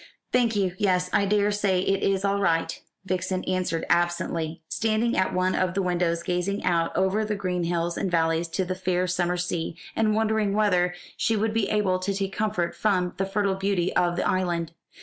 "Thank you, yes, I daresay it is all right," Vixen answered absently, standing at one of the windows, gazing out over the green hills and valleys to the fair summer sea, and wondering whether she would be able to take comfort from the fertile beauty of the island.